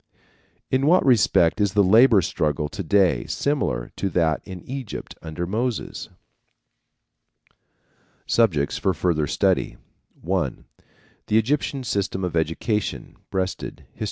'" In what respect is the labor struggle to day similar to that in Egypt under Moses? Subjects for Further Study. (1) The Egyptian System of Education. Breasted, _Hist.